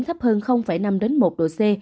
thấp hơn năm một độ c